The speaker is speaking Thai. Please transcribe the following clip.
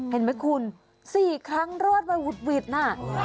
เห็นไหมคุณ๔ครั้งรอดไว้วุดวิดน่ะ